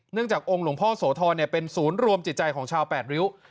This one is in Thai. เนื่องจากองค์หลวงพ่อโสทรเนี่ยเป็นศูนย์รวมจิตใจของชาวแปดริ้ว